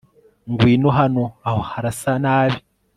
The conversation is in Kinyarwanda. ngwino hano aho harasa nabi